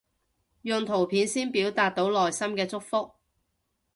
用圖片先表達到內心嘅祝福